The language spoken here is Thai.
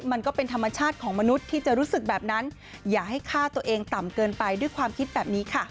มันก็เป็นธรรมชาติของมนุษย์ที่จะรู้สึกแบบนั้นอย่าให้ฆ่าตัวเองต่ำเกินไปด้วยความคิดแบบนี้ค่ะ